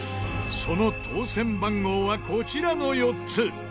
その当せん番号はこちらの４つ。